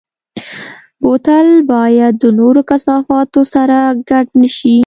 بوتل باید د نورو کثافاتو سره ګډ نه شي.